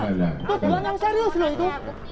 itu tuntuhan yang serius loh itu